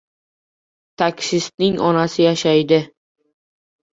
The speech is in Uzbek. Taksistning onasi yashaydi.